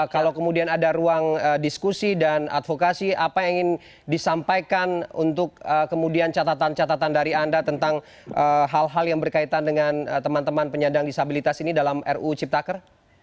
kalau kemudian ada ruang diskusi dan advokasi apa yang ingin disampaikan untuk kemudian catatan catatan dari anda tentang hal hal yang berkaitan dengan teman teman penyandang disabilitas ini dalam ruu ciptaker